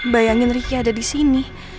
bayangin ricky ada disini